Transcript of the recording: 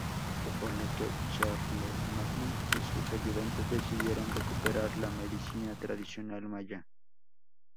Por lo que Charlemagne y sus ayudantes decidieron recuperar la medicina tradicional maya.